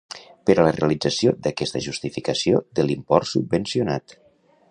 Per a la realització d'aquesta justificació de l'import subvencionat.